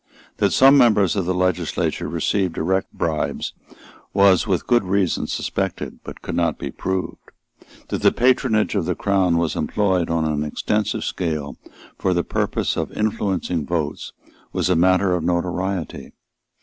That some members of the legislature received direct bribes was with good reason suspected, but could not be proved. That the patronage of the Crown was employed on an extensive scale for the purpose of influencing votes was matter of notoriety.